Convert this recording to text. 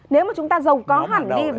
nếu mà chúng ta giàu có hẳn đi